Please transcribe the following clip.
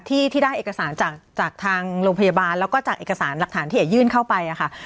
ที่ได้เอกสารจากทางโรงพยาบาลแล้วก็จากเอกสารหลักฐานที่เอ๋ยื่นเข้าไปค่ะ